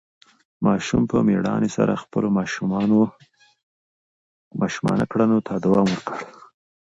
ماشوم په مېړانې سره خپلو ماشومانه کړنو ته دوام ورکړ.